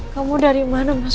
kamu dari mana mas